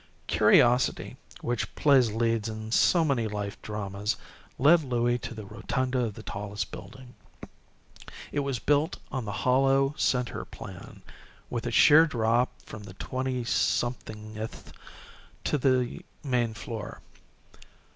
Curiosity, which plays leads in so many life dramas, led Louie to the rotunda of the tallest building. It was built on the hollow center plan, with a sheer drop from the twenty somethingth to the main floor.